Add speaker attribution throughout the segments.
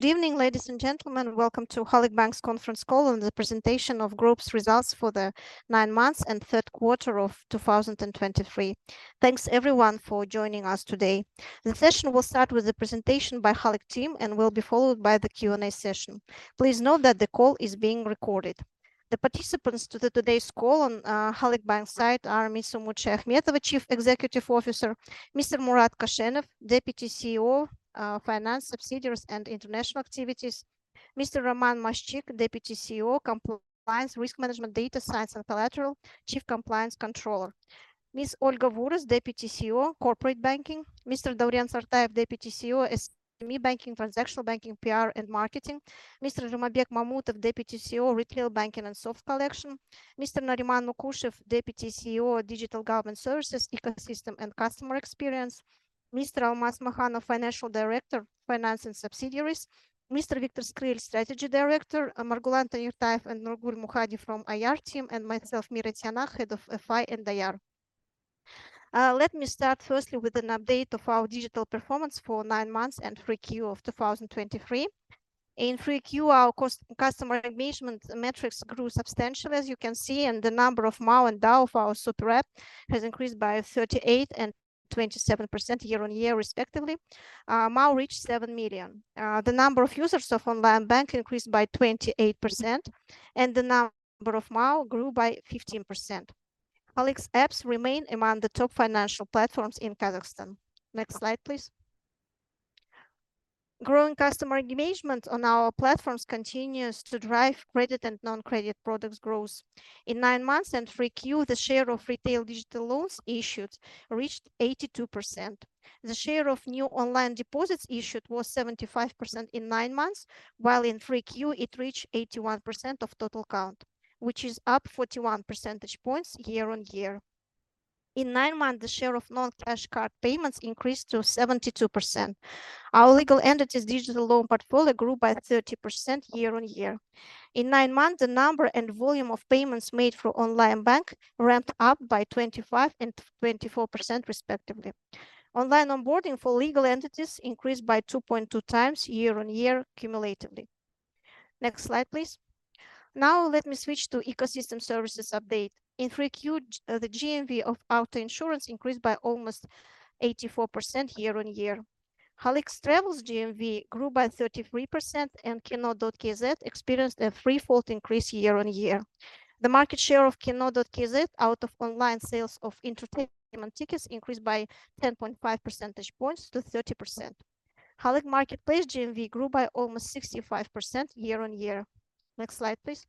Speaker 1: Good evening, ladies and gentlemen. Welcome to Halyk Bank's Conference Call and the Presentation of Group's Results for the Nine Months and Third Quarter of 2023. Thanks everyone for joining us today. The session will start with a presentation by Halyk team and will be followed by the Q&A session. Please note that the call is being recorded. The participants to today's call on Halyk Bank side are Mr. Mukhit Akhmetov, Chief Executive Officer; Mr. Murat Koshenov, Deputy CEO, Finance, Subsidiaries, and International Activities; Mr. Roman Maszczyk, Deputy CEO, Compliance, Risk Management, Data Science, and Collateral, Chief Compliance Controller; Ms. Olga Vuros, Deputy CEO, Corporate Banking; Mr. Dauren Sartayev, Deputy CEO, SME Banking, Transactional Banking, PR, and Marketing; Mr. Zhumabek Mamutov, Deputy CEO, Retail Banking and Soft Collection; Mr. Nariman Mukushev, Deputy CEO, Digital Government Services, Ecosystem and Customer Experience; Mr. Almaz Makhanov, Financial Director, Finance and Subsidiaries; Mr. Viktor Skril, Strategy Director; Margulan Tayirtaev and Nurgul Mukhadi from IR team, and myself, Mira Kasenova, Head of FI and IR. Let me start firstly with an update of our digital performance for 9 months and 3Q of 2023. In 3Q, our customer engagement metrics grew substantially, as you can see, and the number of MAU and DAU of our super app has increased by 38% and 27% year-on-year, respectively. MAU reached 7 million. The number of users of Onlinebank increased by 28%, and the number of MAU grew by 15%. Halyk's apps remain among the top financial platforms in Kazakhstan. Next slide, please. Growing customer engagement on our platforms continues to drive credit and non-credit products growth. In 9 months and 3Q, the share of retail digital loans issued reached 82%. The share of new online deposits issued was 75% in 9 months, while in 3Q it reached 81% of total count, which is up 41 percentage points year-on-year. In 9 months, the share of non-cash card payments increased to 72%. Our legal entities' digital loan portfolio grew by 30% year-on-year. In 9 months, the number and volume of payments made through Onlinebank ramped up by 25% and 24% respectively. Online onboarding for legal entities increased by 2.2x year-on-year cumulatively. Next slide, please. Now let me switch to ecosystem services update. In 3Q, the GMV of auto insurance increased by almost 84% year-on-year. Halyk Travels GMV grew by 33%, and Kino.kz experienced a threefold increase year-on-year. The market share of Kino.kz out of online sales of entertainment tickets increased by 10.5 percentage points to 30%. Halyk Marketplace GMV grew by almost 65% year-on-year. Next slide, please.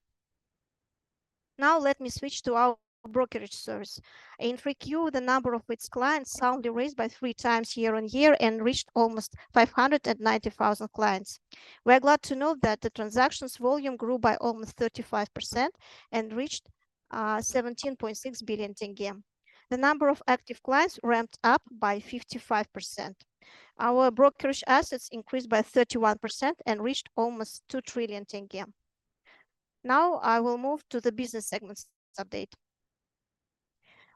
Speaker 1: Now let me switch to our brokerage service. In 3Q, the number of its clients solidly raised by 3x year-on-year and reached almost 590,000 clients. We are glad to note that the transactions volume grew by almost 35% and reached KZT 17.6 billion. The number of active clients ramped up by 55%. Our brokerage assets increased by 31% and reached almost KZT 2 trillion. Now I will move to the business segments update.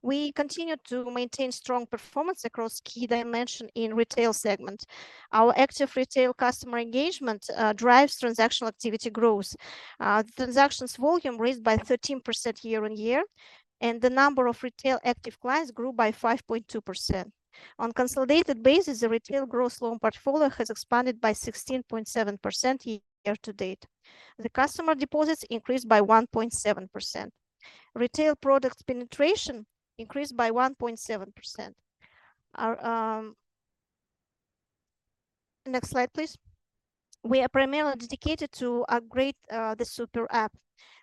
Speaker 1: We continue to maintain strong performance across key dimensions in the retail segment. Our active retail customer engagement drives transactional activity growth. The transaction volume rose by 13% year-on-year, and the number of retail active clients grew by 5.2%. On consolidated basis, the retail gross loan portfolio has expanded by 16.7% year-to-date. The customer deposits increased by 1.7%. Retail product penetration increased by 1.7%. Our next slide, please. We are primarily dedicated to upgrade the super app,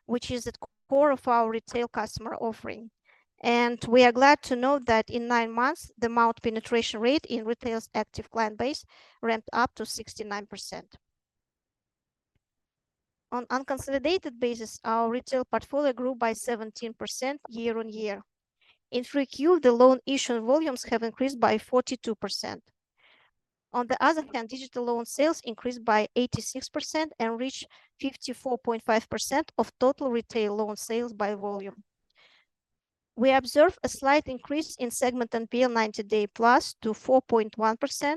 Speaker 1: which is at core of our retail customer offering, and we are glad to note that in 9 months, the MAU penetration rate in retail's active client base ramped up to 69%. On an unconsolidated basis, our retail portfolio grew by 17% year-on-year. In 3Q, the loan issue volumes have increased by 42%. On the other hand, digital loan sales increased by 86% and reached 54.5% of total retail loan sales by volume. We observe a slight increase in segment NPL 90-day+ to 4.1%,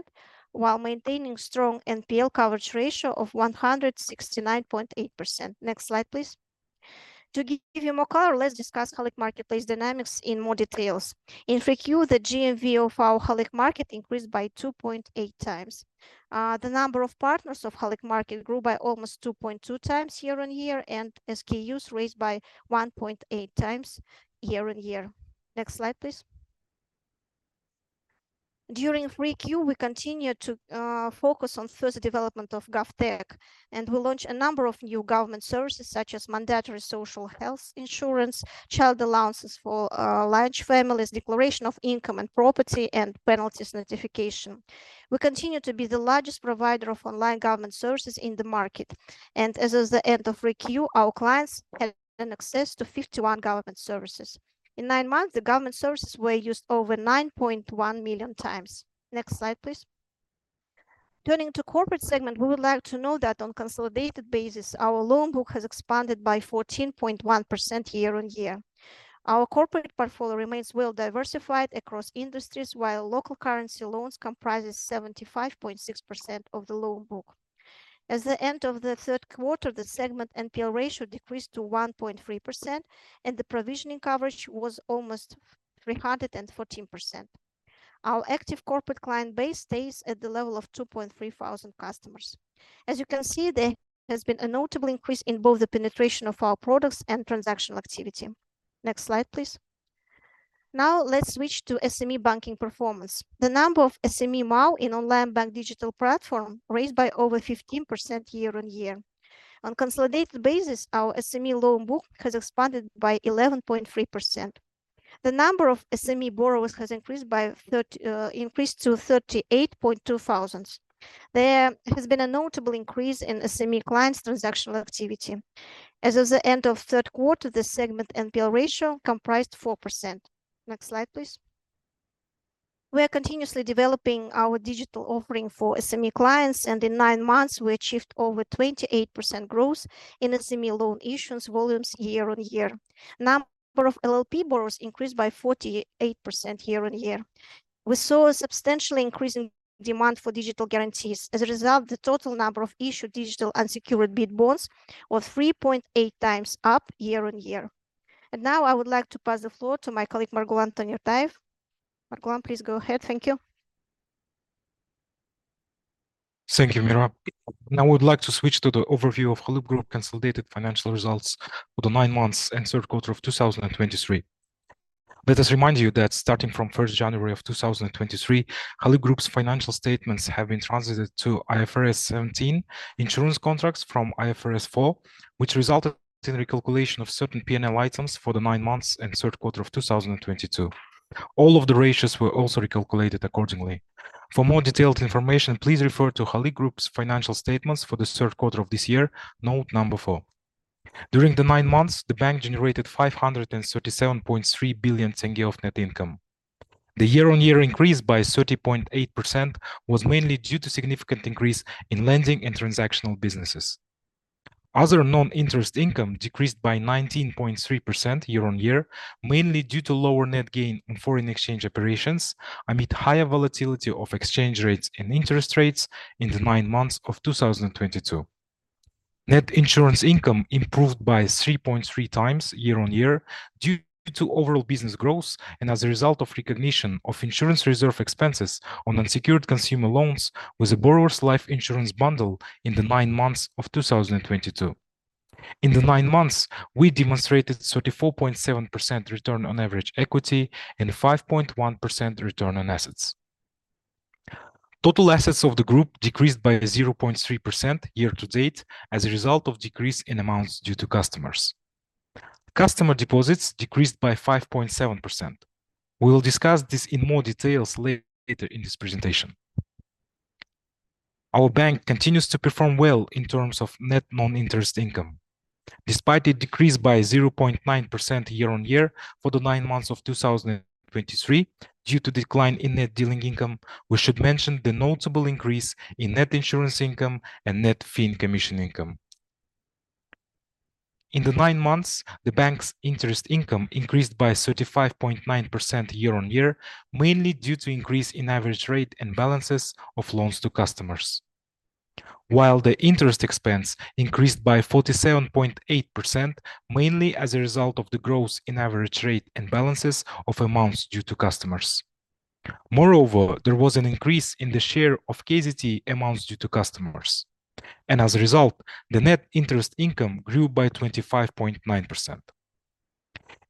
Speaker 1: while maintaining a strong NPL coverage ratio of 169.8%. Next slide, please. To give you more color, let's discuss Halyk marketplace dynamics in more detail. In 3Q, the GMV of our Halyk Market increased by 2.8x. The number of partners of Halyk Market grew by almost 2.2x year-on-year, and SKUs raised by 1.8x year-on-year. Next slide, please. During 3Q, we continued to focus on further development of GovTech, and we launched a number of new government services, such as mandatory social health insurance, child allowances for large families, declaration of income and property, and penalty notification. We continue to be the largest provider of online government services in the market, and as of the end of 3Q, our clients had access to 51 government services. In nine months, the government services were used over 9.1 million times. Next slide, please. Turning to the corporate segment, we would like to know that on a consolidated basis, our loan book has expanded by 14.1% year-on-year. Our corporate portfolio remains well diversified across industries, while local currency loans comprises 75.6% of the loan book. At the end of the third quarter, the segment NPL ratio decreased to 1.3%, and the provisioning coverage was almost 314%. Our active corporate client base stays at the level of 2,300 customers. As you can see, there has been a notable increase in both the penetration of our products and transactional activity. Next slide, please. Now, let's switch to SME banking performance. The number of SME MAU in Onlinebank digital platform raised by over 15% year-on-year. On a consolidated basis, our SME loan book has expanded by 11.3%. The number of SME borrowers has increased to 38,200. There has been a notable increase in SME clients' transactional activity. As of the end of third quarter, the segment NPL ratio comprised 4%. Next slide, please. We are continuously developing our digital offering for SME clients, and in nine months, we achieved over 28% growth in SME loan issuance volumes year-on-year. Number of LLP borrowers increased by 48% year-on-year. We saw a substantial increase in demand for digital guarantees. As a result, the total number of issued digital unsecured bid bonds was 3.8x up year-on-year. Now I would like to pass the floor to my colleague, Margulan Tanirtayev. Margulan, please go ahead. Thank you.
Speaker 2: Thank you, Mira. Now, I would like to switch to the overview of Halyk Group consolidated financial results for the nine months and third quarter of 2023. Let us remind you that starting from January 1, 2023, Halyk Group's financial statements have been transited to IFRS 17, Insurance Contracts from IFRS 4, which resulted in the recalculation of certain P&L items for the nine months and third quarter of 2022. All of the ratios were also recalculated accordingly. For more detailed information, please refer to Halyk Group's financial statements for the third quarter of this year, note number four. During the nine months, the bank generated KZT 537.3 billion of net income. The year-on-year increase by 30.8% was mainly due to significant increase in lending and transactional businesses. Other non-interest income decreased by 19.3% year-on-year, mainly due to lower net gain in foreign exchange operations amid higher volatility of exchange rates and interest rates in the nine months of 2022. Net insurance income improved by 3.3x year-on-year due to overall business growth and as a result of recognition of insurance reserve expenses on unsecured consumer loans with a borrower's life insurance bundle in the nine months of 2022. In the nine months, we demonstrated 34.7% return on average equity and 5.1% return on assets. Total assets of the group decreased by 0.3% year-to-date as a result of decrease in amounts due to customers. Customer deposits decreased by 5.7%. We will discuss this in more detail later in this presentation. Our bank continues to perform well in terms of net non-interest income. Despite its decrease by 0.9% year-on-year for the nine months of 2023 due to a decline in net dealing income, we should mention the notable increase in net insurance income and net fee and commission income. In the nine months, the bank's interest income increased by 35.9% year-on-year, mainly due to an increase in average rate and balances of loans to customers. While the interest expense increased by 47.8%, mainly as a result of the growth in average rate and balances of amounts due to customers. Moreover, there was an increase in the share of KZT amounts due to customers, and as a result, the net interest income grew by 25.9%.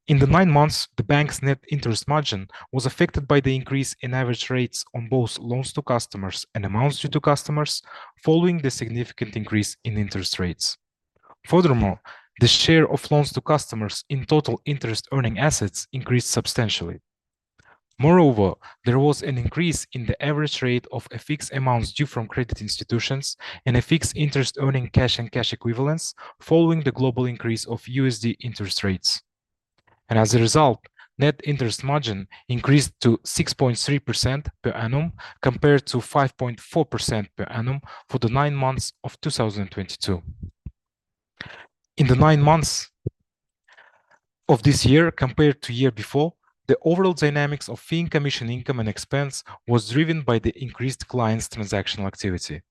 Speaker 2: In the nine months, the bank's net interest margin was affected by the increase in average rates on both loans to customers and amounts due to customers, following the significant increase in interest rates. Furthermore, the share of loans to customers in total interest-earning assets increased substantially. Moreover, there was an increase in the average rate of a fixed amounts due from credit institutions and fixed interest-earning cash and cash equivalents following the global increase of USD interest rates. And as a result, net interest margin increased to 6.3% per annum, compared to 5.4% per annum for the nine months of 2022. In the 9 months of this year, compared to year before, the overall dynamics of fee and commission income and expense were driven by the increased clients' transactional activity.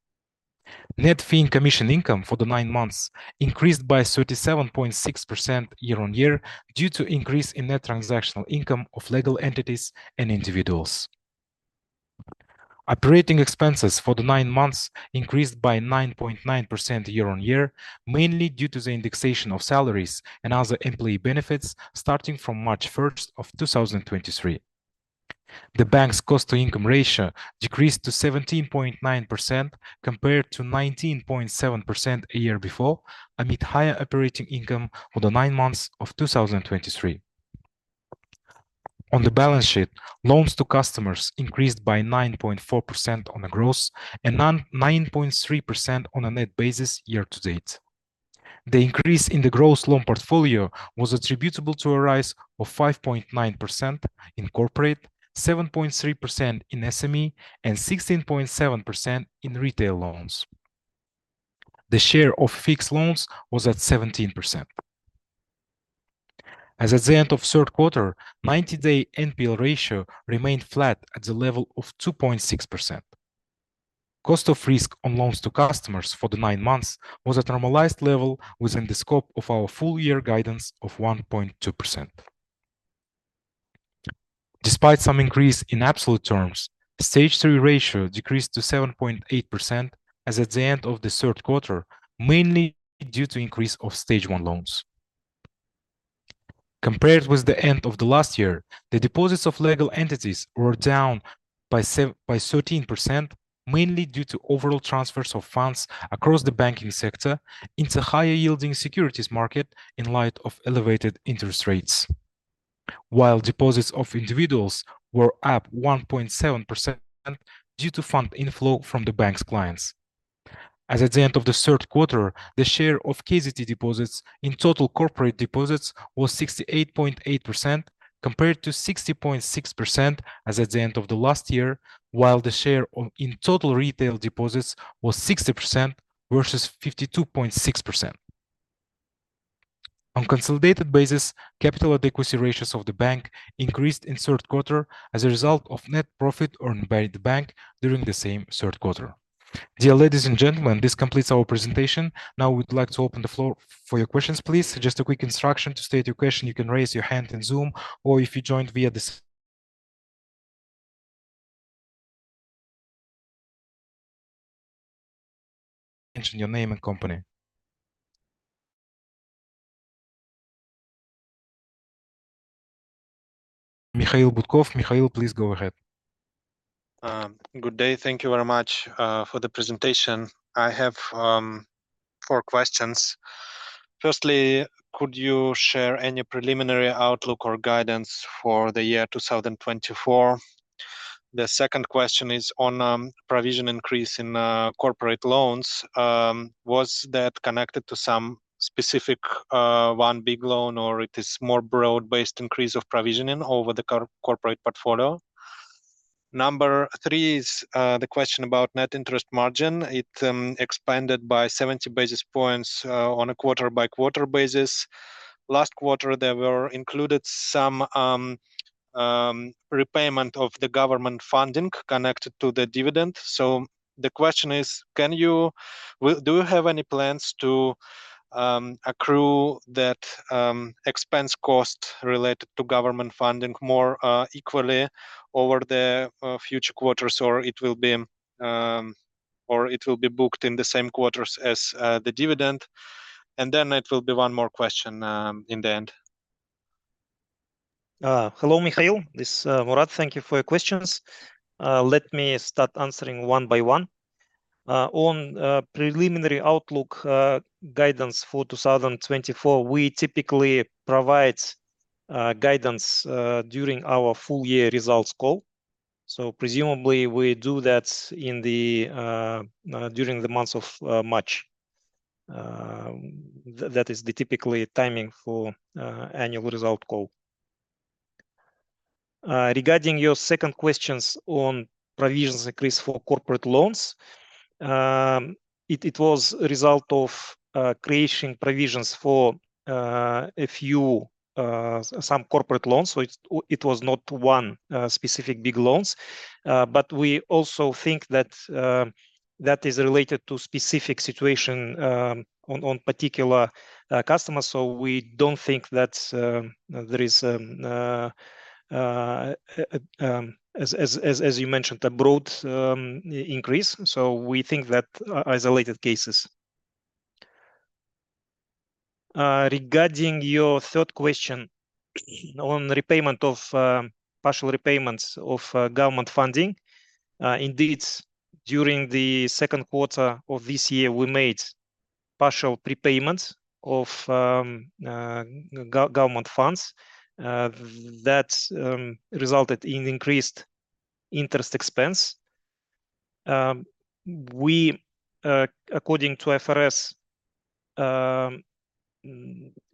Speaker 2: Net fee and commission income for the 9 months increased by 37.6% year-on-year due to increase in net transactional income of legal entities and individuals. Operating expenses for the 9 months increased by 9.9% year-on-year, mainly due to the indexation of salaries and other employee benefits starting from March 1 of 2023. The bank's cost-to-income ratio decreased to 17.9% compared to 19.7% a year before, amid higher operating income for the 9 months of 2023. On the balance sheet, loans to customers increased by 9.4% on a gross and 9.3% on a net basis year to date. The increase in the gross loan portfolio was attributable to a rise of 5.9% in corporate, 7.3% in SME, and 16.7% in retail loans. The share of fixed loans was at 17% as at the end of third quarter, 90-day NPL ratio remained flat at the level of 2.6%. Cost of risk on loans to customers for the nine months was a normalized level within the scope of our full-year guidance of 1.2%. Despite some increase in absolute terms, Stage 3 ratio decreased to 7.8% as at the end of the third quarter, mainly due to an increase of Stage 1 loans. Compared with the end of the last year, the deposits of legal entities were down by by thirteen percent, mainly due to overall transfers of funds across the banking sector into higher-yielding securities market in light of elevated interest rates. While deposits of individuals were up 1.7% due to fund inflow from the bank's clients. As at the end of the third quarter, the share of KZT deposits in total corporate deposits was 68.8%, compared to 60.6% as at the end of the last year, while the share in total retail deposits was 60% versus 52.6%. On consolidated basis, capital adequacy ratios of the bank increased in third quarter as a result of net profit earned by the bank during the same third quarter. Dear ladies and gentlemen, this completes our presentation. Now we'd like to open the floor for your questions, please. Just a quick instruction, to state your question, you can raise your hand in Zoom, or if you joined via this mention your name and company. Mikhail Butkov. Mikhail, please go ahead.
Speaker 3: Good day. Thank you very much for the presentation. I have four questions. Firstly, could you share any preliminary outlook or guidance for the year 2024? The second question is on provision increase in corporate loans. Was that connected to some specific one big loan, or it is more broad-based increase of provisioning over the corporate portfolio? Number three is the question about net interest margin. It expanded by 70 basis points on a quarter-by-quarter basis. Last quarter, there were included some repayment of the government funding connected to the dividend. Do you have any plans to accrue that expense cost related to government funding more equally over the future quarters, or it will be booked in the same quarters as the dividend? And then it will be one more question in the end.
Speaker 4: Hello, Mikhail. This is Murat. Thank you for your questions. Let me start answering one by one. On preliminary outlook, guidance for 2024, we typically provide guidance during our full year results call. So presumably, we do that in the months of March. That is the typical timing for annual results call. Regarding your second question on provisions increase for corporate loans, it was a result of creating provisions for a few some corporate loans. So it was not one specific big loan. But we also think that that is related to specific situation on particular customers, so we don't think that there is. As you mentioned, a broad increase, so we think that isolated cases. Regarding your third question on repayment of partial repayments of government funding, indeed, during the second quarter of this year, we made partial prepayment of government funds. That resulted in increased interest expense. We, according to IFRS,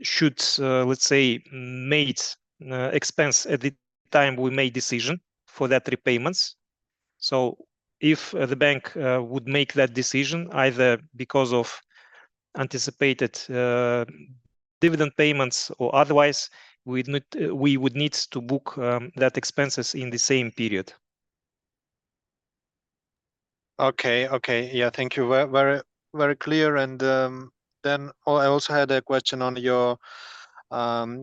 Speaker 4: should, let's say, made expense at the time we made decision for that repayments. So if the bank would make that decision, either because of anticipated dividend payments or otherwise, we would need to book that expenses in the same period.
Speaker 3: Okay, thank you. Very clear. And then I also had a question on your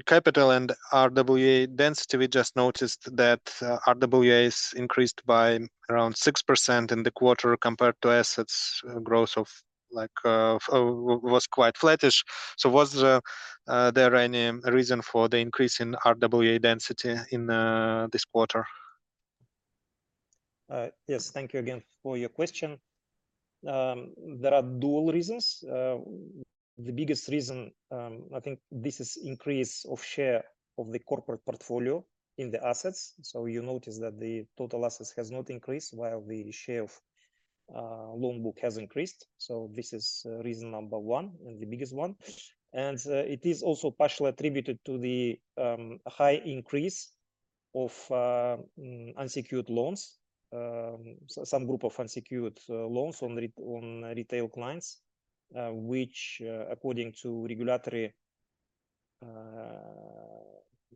Speaker 3: capital and RWA density. We just noticed that RWAs increased by around 6% in the quarter, compared to assets growth of, like, which was quite flattish. So was there any reason for the increase in RWA density in this quarter?
Speaker 4: Yes. Thank you again for your question. There are dual reasons. The biggest reason, I think this is increase of share of the corporate portfolio in the assets. So you notice that the total assets has not increased, while the share of loan book has increased. So this is reason number one, and the biggest one. And it is also partially attributed to the high increase of unsecured loans. Some group of unsecured loans on retail clients, which, according to regulatory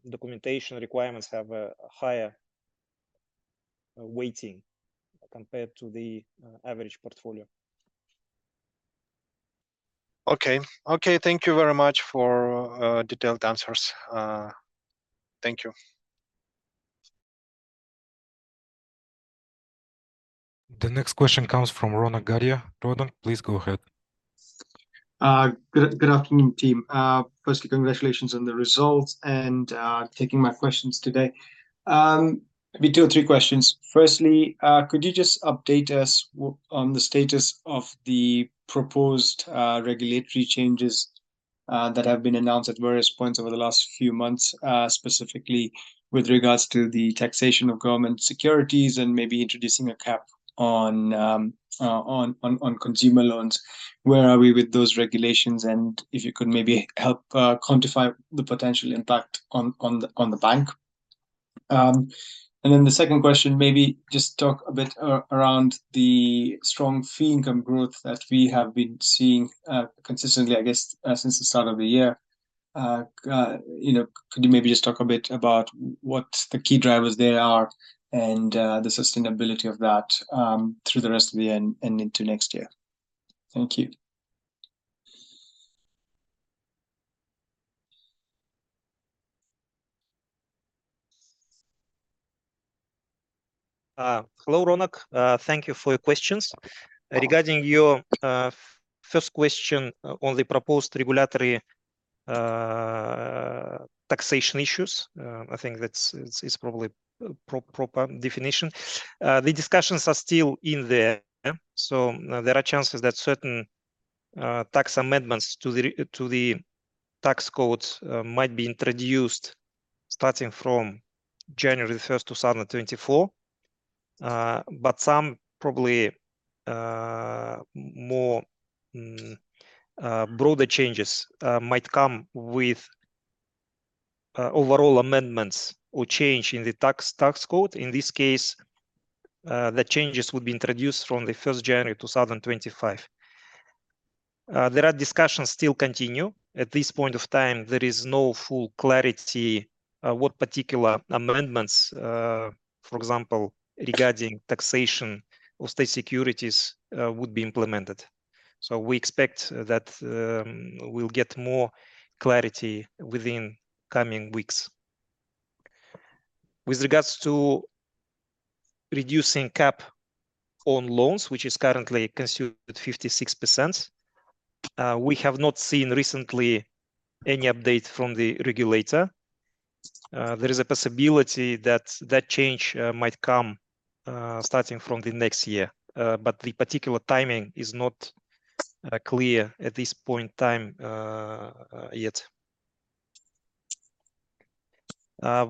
Speaker 4: documentation requirements, have a higher weighting compared to the average portfolio.
Speaker 3: Okay. Okay, thank you very much for detailed answers. Thank you.
Speaker 5: The next question comes from Ronak Gadhia. Ronak, please go ahead.
Speaker 6: Good afternoon, team. Firstly, congratulations on the results and for taking my questions today. We have two or three questions. Firstly, could you just update us on the status of the proposed regulatory changes that have been announced at various points over the last few months? Specifically with regards to the taxation of government securities, and maybe introducing a cap on consumer loans. Where are we with those regulations? And if you could maybe help quantify the potential impact on the bank. And then the second question, maybe just talk a bit around the strong fee income growth that we have been seeing consistently, I guess, since the start of the year. You know, could you maybe just talk a bit about what the key drivers there are, and the sustainability of that through the rest of the year and into next year? Thank you.
Speaker 4: Hello, Ronak. Thank you for your questions.
Speaker 6: Welcome.
Speaker 4: Regarding your first question on the proposed regulatory taxation issues, I think that's it, it's probably a proper definition. The discussions are still in the air, so there are chances that certain tax amendments to the tax code might be introduced starting from January 1st, 2024. But some probably more broader changes might come with overall amendments or changes in the tax code. In this case, the changes would be introduced from the 1st January, 2025. The discussions still continue. At this point of time, there is no full clarity what particular amendments, for example, regarding taxation or state securities, would be implemented. So we expect that we'll get more clarity within coming weeks. With regards to reducing cap on loans, which is currently consumed at 56%, we have not seen recently any update from the regulator. There is a possibility that that change might come starting from the next year. But the particular timing is not clear at this point in time, yet.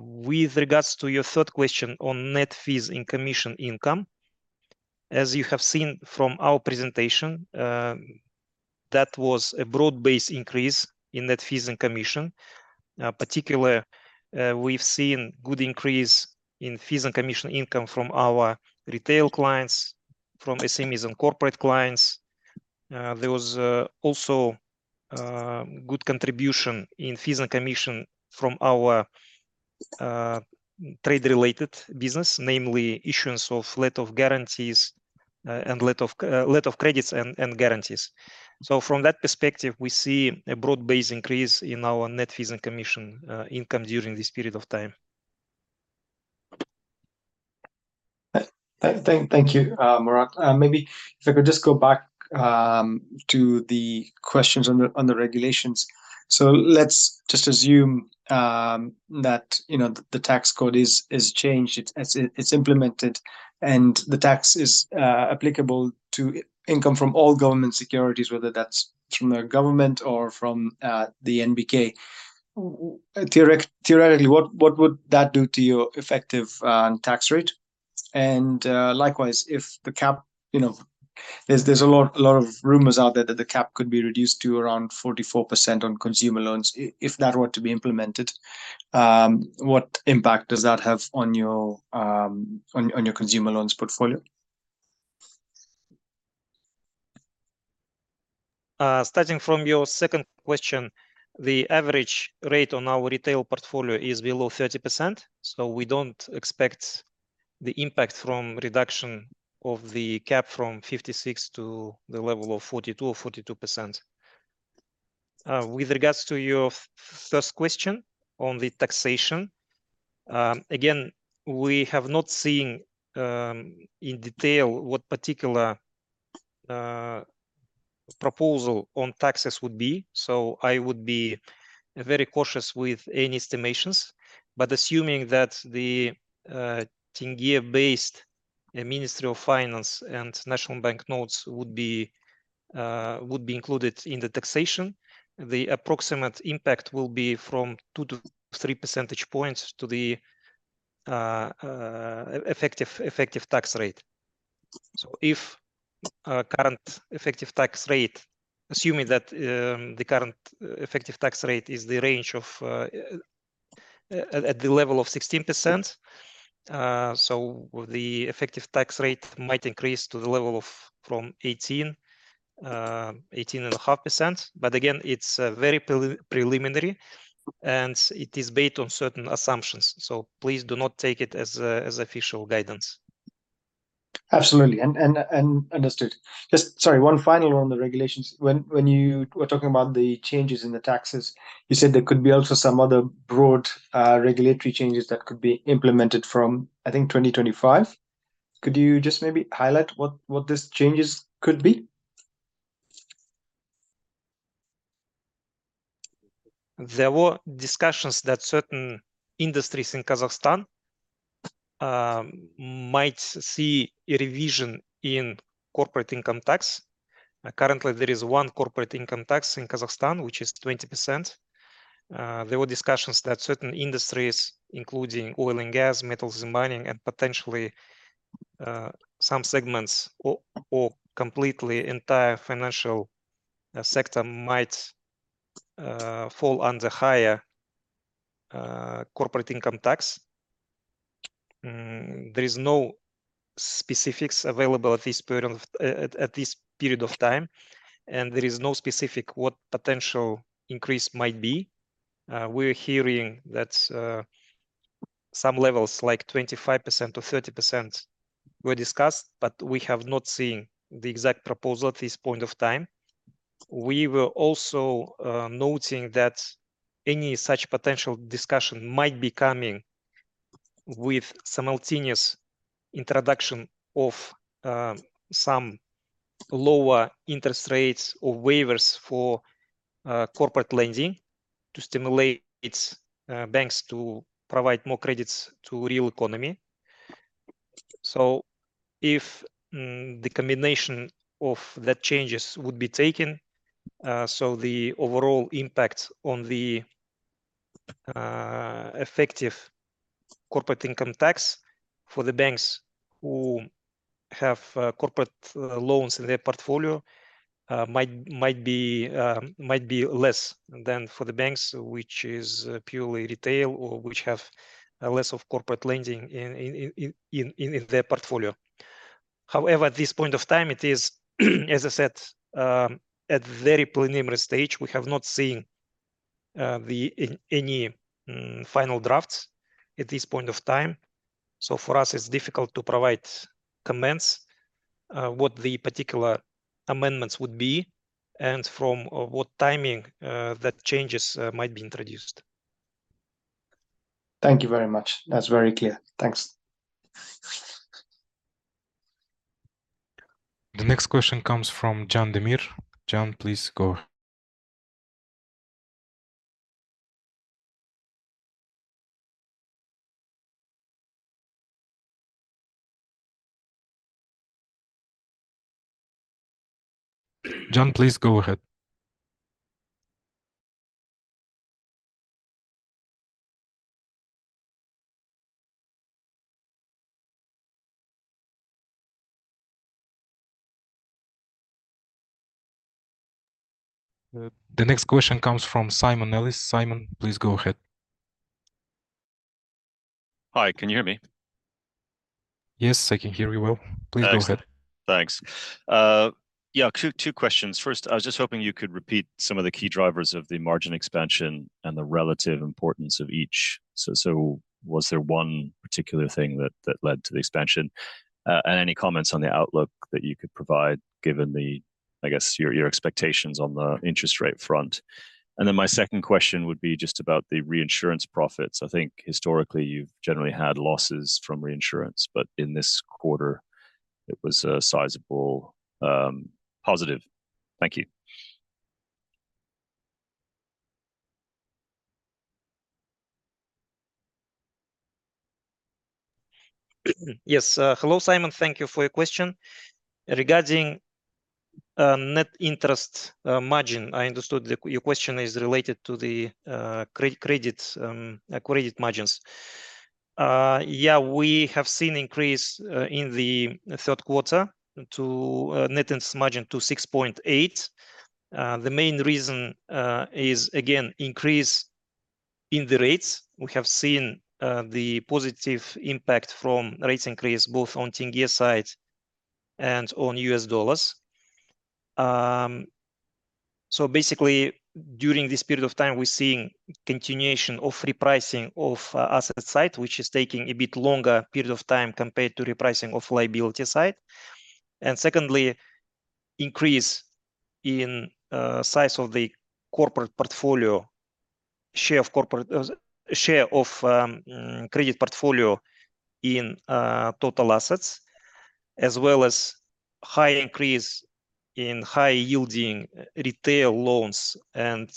Speaker 4: With regards to your third question on net fees and commission income, as you have seen from our presentation, that was a broad-based increase in net fees and commission. Particular, we've seen good increase in fees and commission income from our retail clients, from SMEs and corporate clients. There was also good contribution in fees and commission from our trade-related business, namely issuance of letter of guarantees and letters of credit and guarantees. From that perspective, we see a broad-based increase in our net fees and commission income during this period of time.
Speaker 6: Thank you, Murat. Maybe if I could just go back to the questions on the regulations. So let's just assume that, you know, the tax code is changed, it's implemented, and the tax is applicable to income from all government securities, whether that's from the government or from the NBK. Theoretically, what would that do to your effective tax rate? And likewise, there's a lot of rumors out there that the cap could be reduced to around 44% on consumer loans. If that were to be implemented, what impact does that have on your consumer loans portfolio?
Speaker 4: Starting from your second question, the average rate on our retail portfolio is below 30%, so we don't expect the impact from reduction of the cap from 56 to the level of 42, or 42%. With regards to your first question on the taxation, again, we have not seen in detail what particular proposal on taxes would be, so I would be very cautious with any estimations. But assuming that the tenge-based, the Ministry of Finance and National Bank notes would be included in the taxation, the approximate impact will be from 2-3 percentage points to the effective tax rate. So if current effective tax rate, assuming that the current effective tax rate is the range of at the level of 16%, so the effective tax rate might increase to the level of from 18%-18.5%. But again, it's very preliminary, and it is based on certain assumptions, so please do not take it as as official guidance.
Speaker 6: Absolutely, and understood. Just, sorry, one final one on the regulations. When you were talking about the changes in the taxes, you said there could be also some other broad regulatory changes that could be implemented from, I think, 2025. Could you just maybe highlight what these changes could be?
Speaker 4: There were discussions that certain industries in Kazakhstan might see a revision in corporate income tax. Currently, there is one corporate income tax in Kazakhstan, which is 20%. There were discussions that certain industries, including oil and gas, metals and mining, and potentially some segments or completely entire financial sector might fall under higher corporate income tax. There is no specifics available at this period of time, and there is no specific what potential increase might be. We're hearing that some levels, like 25%-30%, were discussed, but we have not seen the exact proposal at this point of time. We were also noting that any such potential discussion might be coming with simultaneous introduction of some lower interest rates or waivers for corporate lending to stimulate its banks to provide more credits to real economy. So if the combination of the changes would be taken, so the overall impact on the effective corporate income tax for the banks who have corporate loans in their portfolio might be less than for the banks which is purely retail or which have less of corporate lending in their portfolio. However, at this point of time, it is, as I said, at very preliminary stage. We have not seen the any final drafts at this point of time. For us, it's difficult to provide comments, what the particular amendments would be and from what timing, that changes, might be introduced.
Speaker 6: Thank you very much. That's very clear. Thanks.
Speaker 5: The next question comes from Can Demir. Can, please go. Can, please go ahead. The next question comes from Simon Nellis. Simon, please go ahead.
Speaker 7: Thanks. Two questions. First, I was just hoping you could repeat some of the key drivers of the margin expansion and the relative importance of each. So was there one particular thing that led to the expansion? And any comments on the outlook that you could provide, given the your expectations on the interest rate front? And then my second question would be just about the reinsurance profits. I think historically, you've generally had losses from reinsurance, but in this quarter, it was a sizable positive. Thank you.
Speaker 4: Yes. Hello, Simon. Thank you for your question. Regarding net interest margin, I understood that your question is related to the credit margins. Yeah, we have seen increase in the third quarter to net interest margin to 6.8. The main reason is again, increase in the rates. We have seen the positive impact from rates increase both on tenge side and on USD. So basically, during this period of time, we're seeing continuation of repricing of asset side, which is taking a bit longer period of time compared to repricing of liability side. And secondly, increase in size of the corporate portfolio, share of corporate share of credit portfolio in total assets, as well as high increase in high-yielding retail loans and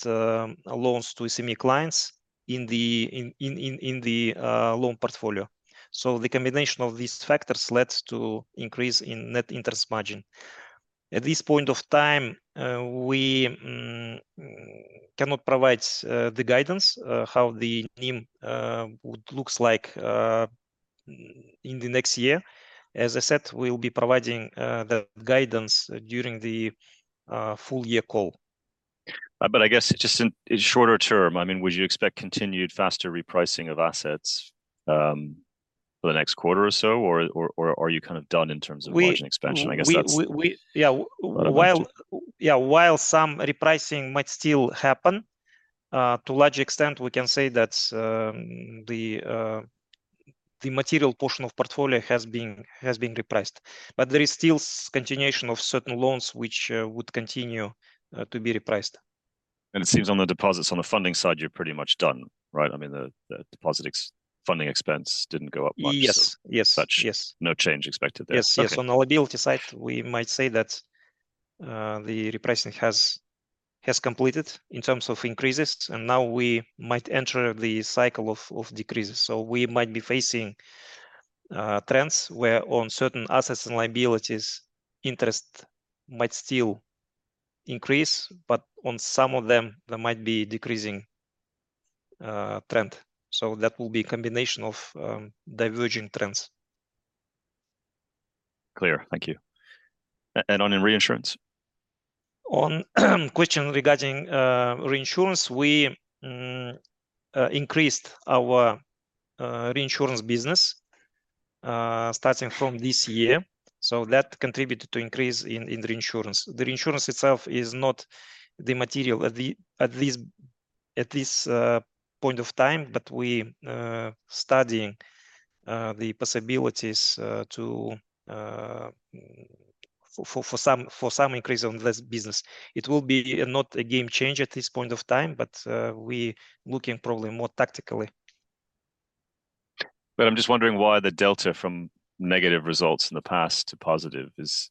Speaker 4: loans to semi clients in the loan portfolio. So the combination of these factors led to increase in net interest margin. At this point of time, we cannot provide the guidance how the NIM would looks like in the next year. As I said, we'll be providing the guidance during the full year call.
Speaker 7: I guess just in shorter term would you expect continued faster repricing of assets for the next quarter or so? Or are you kind of done in terms of expansion?
Speaker 4: While some repricing might still happen, to large extent, we can say that, the material portion of portfolio has been repriced. But there is still continuation of certain loans which would continue to be repriced.
Speaker 7: It seems on the deposits, on the funding side, you're pretty much done, right? I mean, the deposits funding expense didn't go up much so such no change expected there.
Speaker 4: Yes. On the liability side, we might say that the repricing has completed in terms of increases, and now we might enter the cycle of decreases. So we might be facing trends where on certain assets and liabilities, interest might still increase, but on some of them, there might be decreasing trend. So that will be a combination of diverging trends.
Speaker 7: Clear. Thank you. And on in reinsurance?
Speaker 4: On question regarding reinsurance, we increased our reinsurance business starting from this year, so that contributed to increase in reinsurance. The reinsurance itself is not the material at this point of time, but we studying the possibilities to for some increase on this business. It will be not a game changer at this point of time, but we looking probably more tactically.
Speaker 7: But I'm just wondering why the delta from negative results in the past to positive is,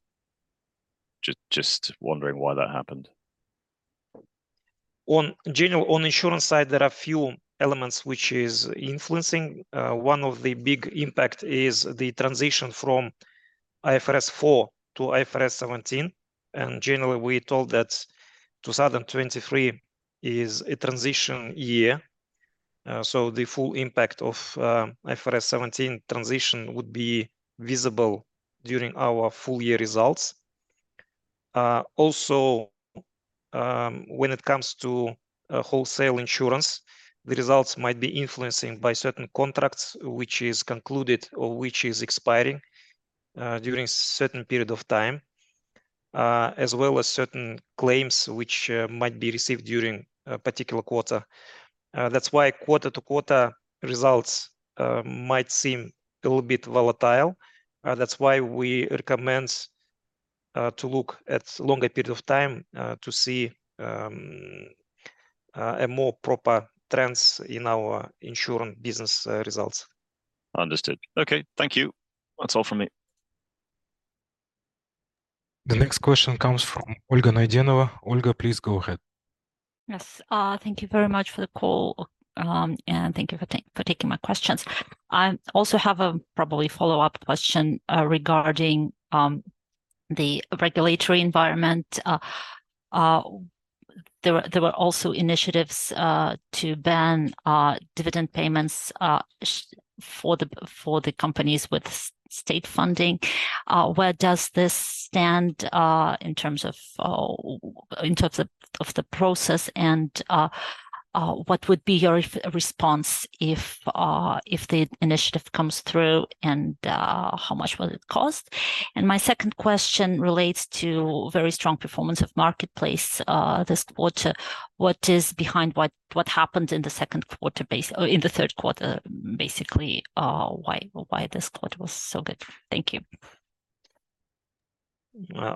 Speaker 7: just wondering why that happened.
Speaker 4: In general, on insurance side, there are few elements which is influencing. One of the big impact is the transition from IFRS 4 to IFRS 17, and generally, we're told that 2023 is a transition year. So the full impact of, IFRS 17 transition would be visible during our full year results. Also, when it comes to, wholesale insurance, the results might be influencing by certain contracts, which is concluded or which is expiring, during certain period of time, as well as certain claims which, might be received during a particular quarter. That's why quarter-to-quarter results, might seem a little bit volatile. That's why we recommend, to look at longer period of time, to see, a more proper trends in our insurance business, results.
Speaker 7: Understood. Okay, thank you. That's all from me.
Speaker 5: The next question comes from Olga Naydenova. Olga, please go ahead.
Speaker 8: Yes. Thank you very much for the call, and thank you for taking my questions. I also have a probably follow-up question regarding the regulatory environment. There were also initiatives to ban dividend payments for the companies with state funding. Where does this stand in terms of the process, and what would be your response if the initiative comes through, and how much will it cost? My second question relates to very strong performance of marketplace this quarter. What is behind what happened in the second quarter or in the third quarter, basically, why this quarter was so good? Thank you.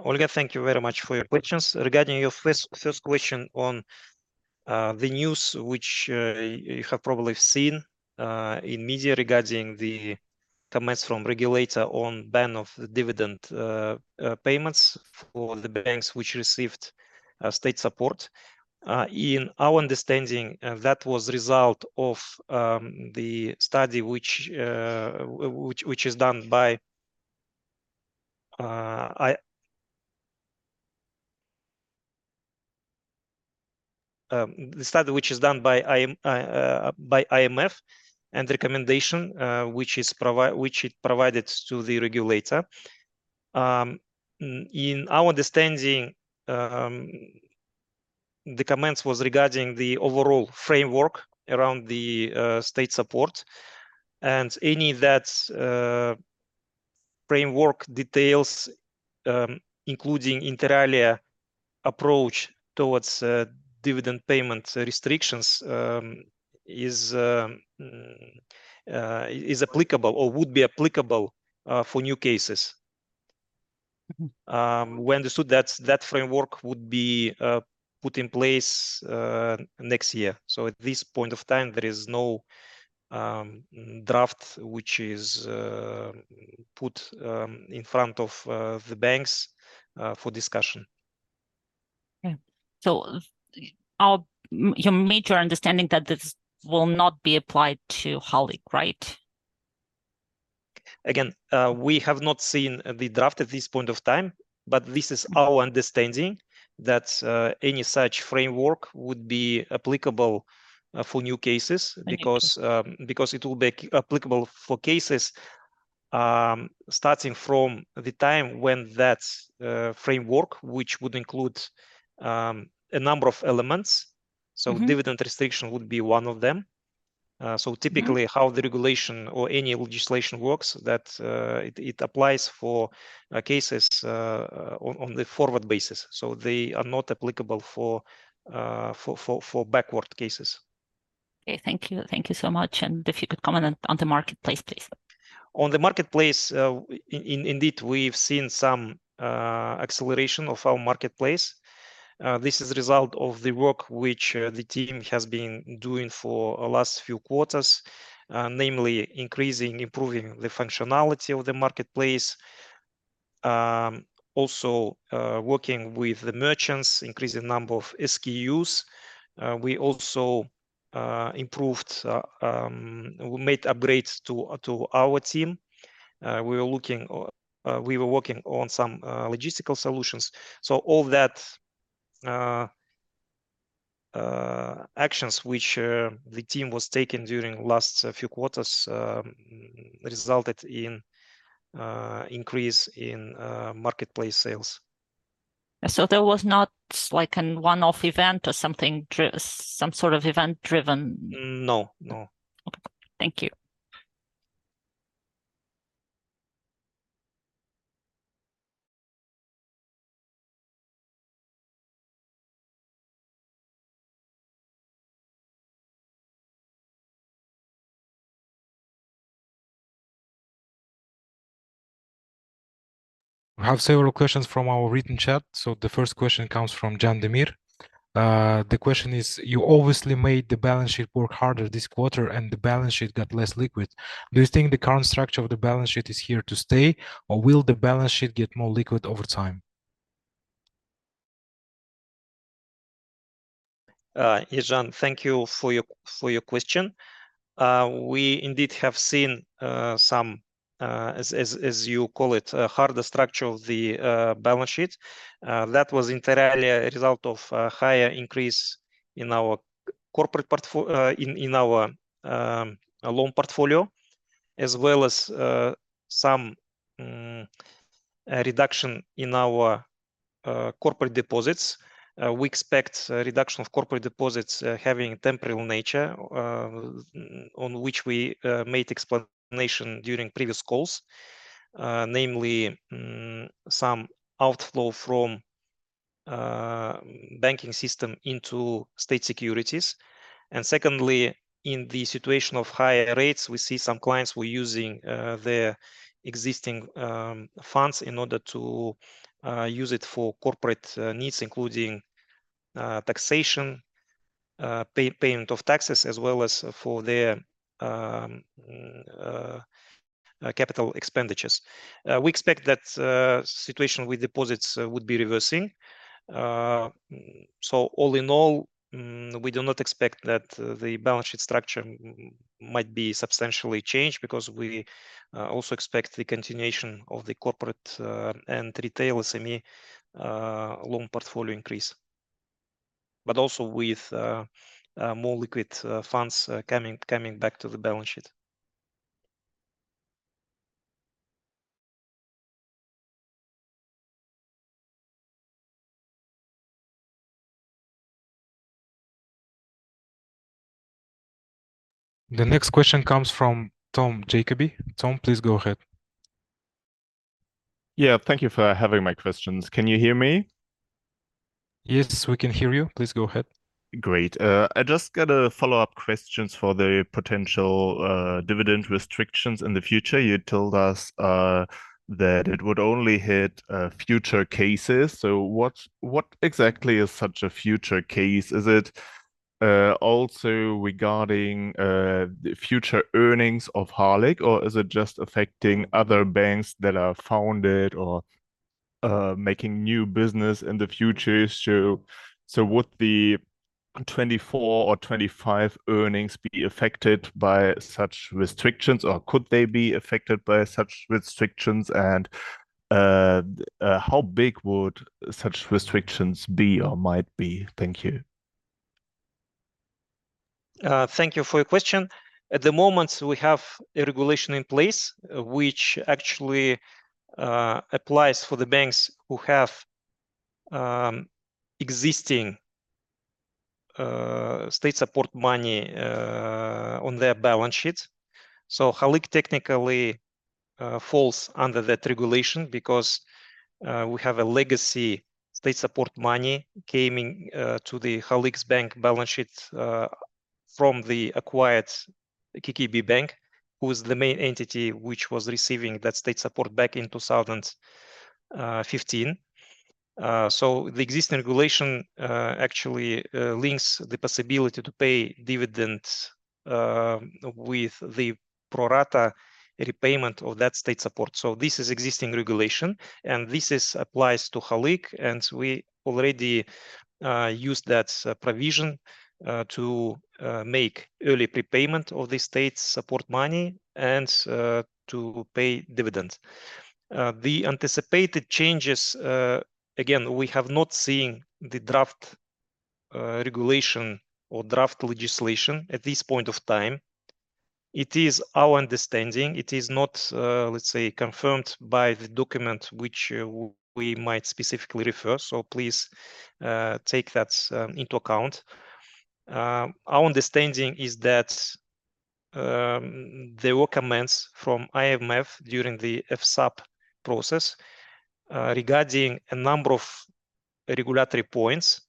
Speaker 4: Olga, thank you very much for your questions. Regarding your first question on the news which you have probably seen in media regarding the comments from regulator on ban of the dividend payments for the banks which received state support. In our understanding, that was result of the study which is done by IMF, and the recommendation which it provided to the regulator. In our understanding, the comments was regarding the overall framework around the state support, and any of that framework details, including inter alia approach towards dividend payment restrictions, is applicable or would be applicable for new cases. We understood that framework would be put in place next year. So at this point of time, there is no draft which is put in front of the banks for discussion.
Speaker 8: Okay. So, you made your understanding that this will not be applied to Halyk, right?
Speaker 4: Again, we have not seen the draft at this point of time, but this is our understanding that any such framework would be applicable for new cases because it will be applicable for cases starting from the time when that framework, which would include a number of elements. So dividend restriction would be one of them. So typically how the regulation or any legislation works, that it applies for cases on the forward basis, so they are not applicable for backward cases.
Speaker 8: Thank you so much, and if you could comment on the marketplace, please.
Speaker 4: On the marketplace, indeed, we've seen some acceleration of our marketplace. This is a result of the work which the team has been doing for the last few quarters, namely increasing, improving the functionality of the marketplace. Also, working with the merchants, increasing the number of SKUs. We also made upgrades to our team. We were working on some logistical solutions. So all that actions which the team was taking during last few quarters resulted in increase in marketplace sales.
Speaker 8: There was not like a one-off event or something, some sort of event-driven?
Speaker 4: No.
Speaker 8: Okay, thank you.
Speaker 2: We have several questions from our written chat. So the first question comes from Can Demir. The question is: You obviously made the balance sheet work harder this quarter, and the balance sheet got less liquid. Do you think the current structure of the balance sheet is here to stay, or will the balance sheet get more liquid over time?
Speaker 4: Yeah, John, thank you for your question. We indeed have seen some, as you call it, a harder structure of the balance sheet. That was entirely a result of a higher increase in our corporate loan portfolio, as well as some a reduction in our corporate deposits. We expect a reduction of corporate deposits having a temporal nature, on which we made explanation during previous calls. Namely, some outflow from banking system into state securities. And secondly, in the situation of higher rates, we see some clients were using their existing funds in order to use it for corporate needs, including taxation, payment of taxes, as well as for their capital expenditures. We expect that situation with deposits would be reversing. So all in all, we do not expect that the balance sheet structure might be substantially changed, because we also expect the continuation of the corporate and retail SME loan portfolio increase. But also with more liquid funds coming back to the balance sheet.
Speaker 2: The next question comes from Tom Jacobi. Tom, please go ahead.
Speaker 9: Thank you for having my questions. I just got a follow-up questions for the potential, dividend restrictions in the future. You told us, that it would only hit, future cases, so what, what exactly is such a future case? Is it, also regarding, the future earnings of Halyk, or is it just affecting other banks that are founded or, making new business in the future? So, so would the 2024 or 2025 earnings be affected by such restrictions, or could they be affected by such restrictions? And, how big would such restrictions be or might be? Thank you.
Speaker 4: Thank you for your question. At the moment, we have a regulation in place, which actually applies for the banks who have existing state support money on their balance sheet. So Halyk technically falls under that regulation, because we have a legacy state support money came in to the Halyk's bank balance sheet from the acquired KKB Bank, who was the main entity which was receiving that state support back in 2015. So the existing regulation actually links the possibility to pay dividends with the pro rata repayment of that state support. So this is existing regulation, and this is applies to Halyk, and we already used that provision to make early prepayment of the state's support money and to pay dividends. The anticipated changes, again, we have not seen the draft regulation or draft legislation at this point of time. It is our understanding, it is not, let's say, confirmed by the document which we might specifically refer, so please, take that into account. Our understanding is that there were comments from IMF during the FSAP process, regarding a number of regulatory points.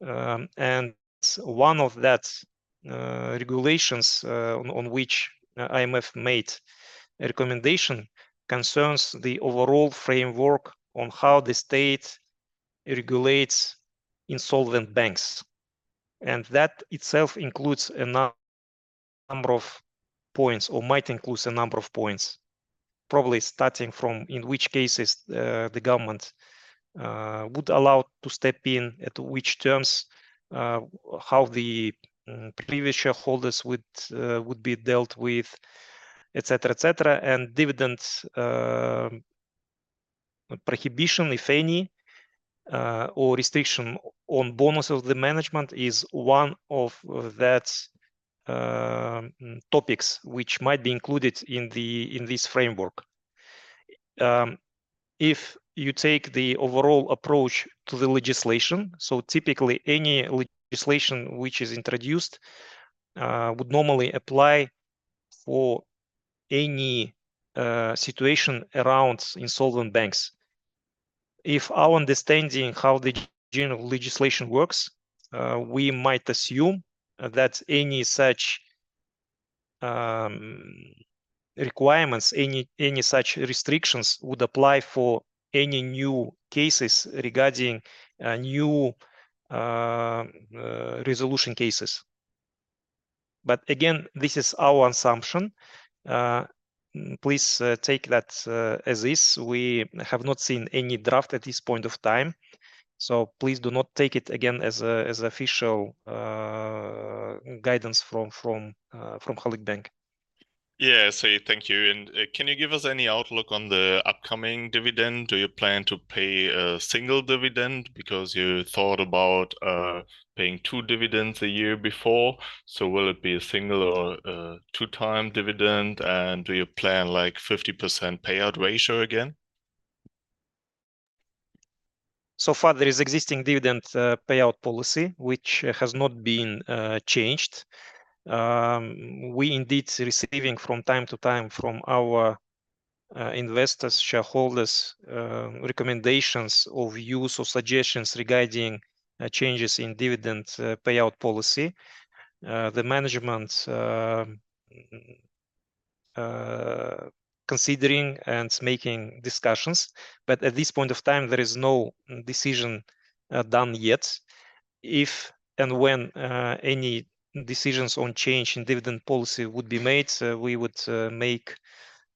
Speaker 4: And one of that regulations on which IMF made a recommendation concerns the overall framework on how the state regulates insolvent banks, and that itself includes a number of points or might include a number of points. Probably starting from in which cases the government would allow to step in, at which terms, how the previous shareholders would be dealt with, et cetera, et cetera. And dividends prohibition, if any, or restriction on bonus of the management is one of that topics which might be included in this framework. If you take the overall approach to the legislation, so typically any legislation which is introduced would normally apply for any situation around insolvent banks. If our understanding how the general legislation works, we might assume that any such requirements, any such restrictions would apply for any new cases regarding a new resolution cases. But again, this is our assumption. Please take that as is. We have not seen any draft at this point of time, so please do not take it again as official guidance from Halyk Bank.
Speaker 9: Yeah, thank you. Can you give us any outlook on the upcoming dividend? Do you plan to pay a single dividend? Because you thought about paying two dividends a year before, so will it be a single or a two-time dividend? And do you plan, like, 50% payout ratio again?
Speaker 4: So far, there is existing dividend payout policy which has not been changed. We indeed receiving from time to time from our investors, shareholders, recommendations or views or suggestions regarding changes in dividend payout policy. The management considering and making discussions, but at this point of time, there is no decision done yet. If and when any decisions on change in dividend policy would be made, we would make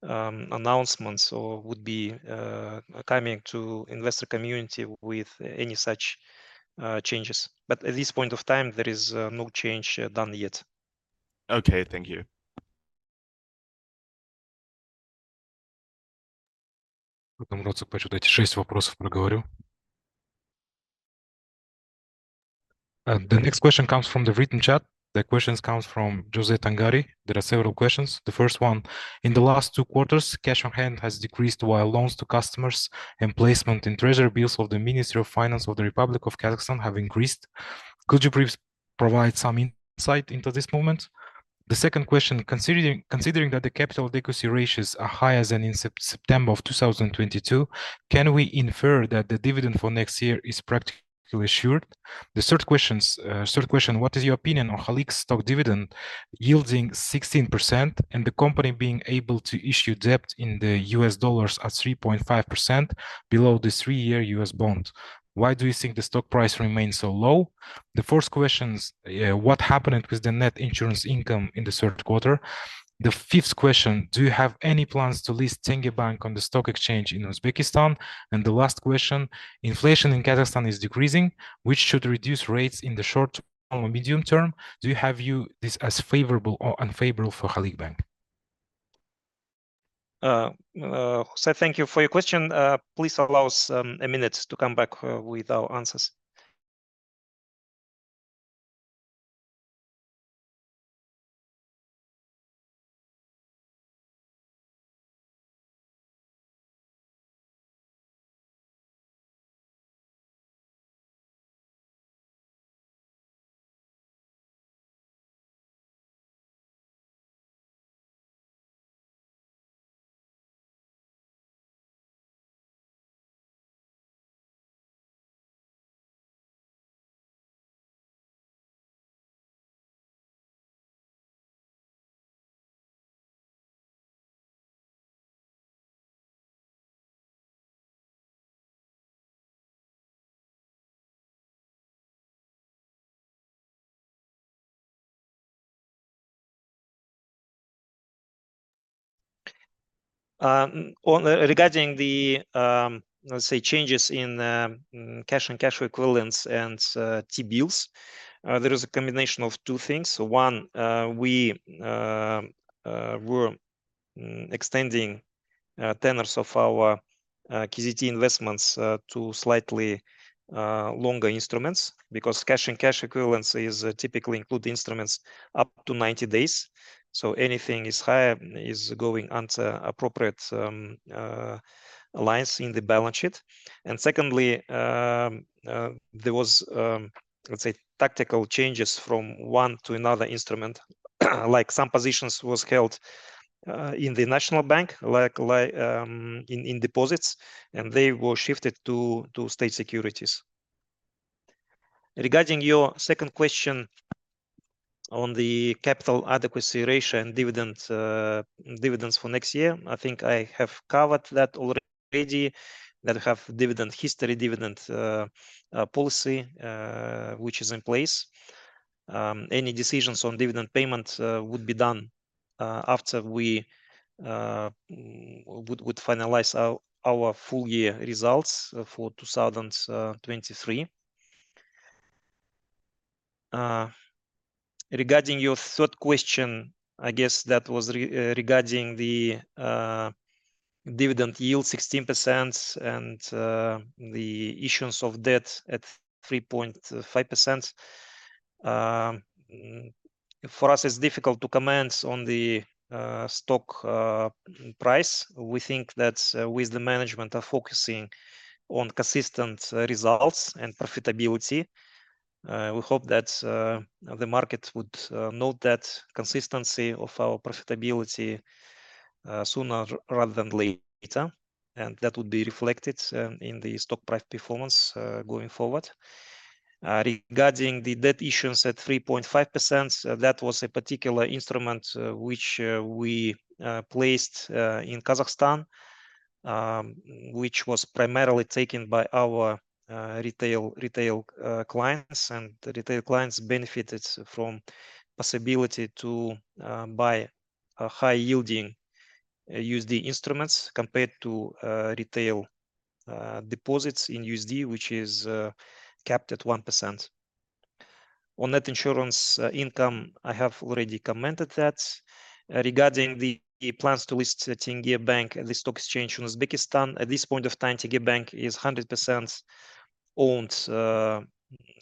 Speaker 4: announcements or would be coming to investor community with any such changes. But at this point of time, there is no change done yet.
Speaker 9: Okay. Thank you.
Speaker 2: The next question comes from the written chat. The question comes from Jose Tangari. There are several questions. The first one: in the last two quarters, cash on hand has decreased, while loans to customers and placement in treasury bills of the Ministry of Finance of the Republic of Kazakhstan have increased. Could you please provide some insight into this movement? The second question: considering that the capital adequacy ratios are higher than in September 2022, can we infer that the dividend for next year is practically assured? The third question: what is your opinion on Halyk's stock dividend yielding 16% and the company being able to issue debt in U.S. dollars at 3.5% below the three-year U.S. bond? Why do you think the stock price remains so low? The fourth questions, yeah: what happened with the net insurance income in the third quarter? The fifth question: do you have any plans to list Tenge Bank on the stock exchange in Uzbekistan? And the last question: inflation in Kazakhstan is decreasing, which should reduce rates in the short term or medium term. Do you view this as favorable or unfavorable for Halyk Bank?
Speaker 4: So thank you for your question. Please allow us a minute to come back with our answers. Regarding the, let's say, changes in cash and cash equivalents and T-bills, there is a combination of two things. One, we were extending tenors of our KZT investments to slightly longer instruments, because cash and cash equivalents is typically include instruments up to 90 days. So anything higher is going under appropriate alliance in the balance sheet. And secondly, there was, let's say, tactical changes from one to another instrument. Like some positions was held in the National Bank, like, in deposits, and they were shifted to state securities. Regarding your second question on the capital adequacy ratio and dividend, dividends for next year, I think I have covered that already. That we have dividend history, dividend, policy, which is in place. Any decisions on dividend payments, would be done, after we, would, would finalize our, our full year results for 2023. Regarding your third question, I guess that was regarding the, dividend yield 16% and, the issuance of debt at 3.5%. For us, it's difficult to comment on the, stock, price. We think that, with the management are focusing on consistent, results and profitability. We hope that the market would note that consistency of our profitability sooner rather than later, and that would be reflected in the stock price performance going forward. Regarding the debt issuance at 3.5%, that was a particular instrument which we placed in Kazakhstan, which was primarily taken by our retail clients. The retail clients benefited from possibility to buy a high-yielding USD instruments compared to retail deposits in USD, which is capped at 1%. On net insurance income, I have already commented that. Regarding the plans to list the Tenge Bank at the stock exchange in Uzbekistan, at this point of time, Tenge Bank is 100% owned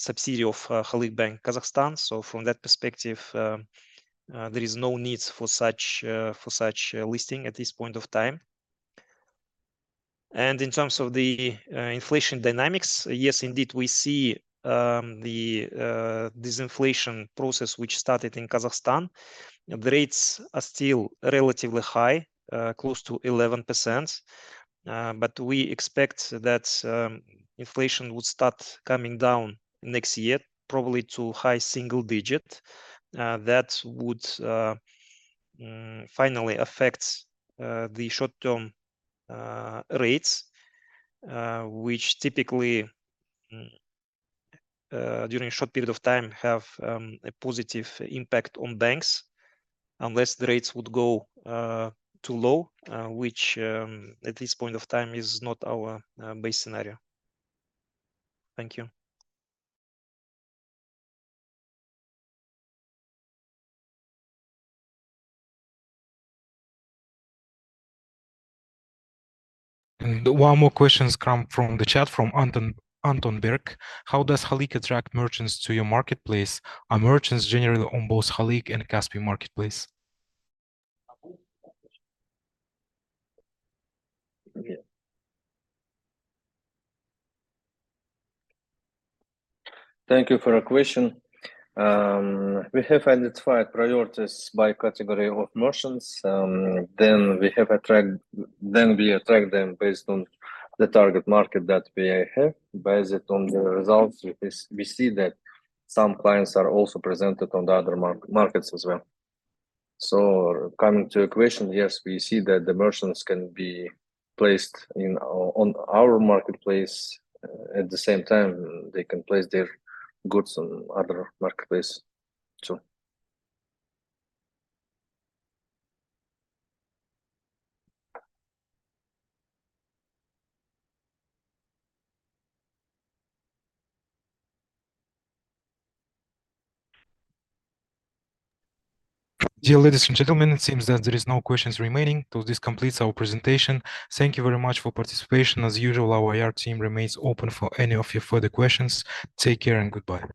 Speaker 4: subsidiary of Halyk Bank, Kazakhstan. So from that perspective, there is no need for such a listing at this point of time. And in terms of the inflation dynamics, yes, indeed, we see the disinflation process, which started in Kazakhstan. The rates are still relatively high, close to 11%. But we expect that inflation would start coming down next year, probably to high single digit. That would finally affect the short term rates, which typically during a short period of time have a positive impact on banks, unless the rates would go too low, which at this point of time is not our base scenario. Thank you.
Speaker 2: One more question's come from the chat, from Anton, Anton Berg: How does Halyk attract merchants to your marketplace? Are merchants generally on both Halyk and Kaspi Marketplace?
Speaker 4: Thank you for your question. We have identified priorities by category of merchants, then we attract them based on the target market that we have. Based on the results, we see that some clients are also presented on the other markets as well. So coming to your question, yes, we see that the merchants can be placed in, on our marketplace. At the same time, they can place their goods on other marketplace too.
Speaker 2: Dear ladies and gentlemen, it seems that there is no questions remaining, so this completes our presentation. Thank you very much for participation. As usual, our IR team remains open for any of your further questions. Take care and goodbye.